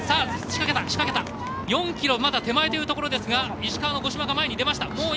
仕掛けた、４ｋｍまだ手前というところですが石川の五島が前に出ました。